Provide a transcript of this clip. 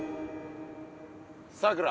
さくら。